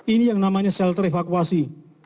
ini yang namanya shelter evakuasi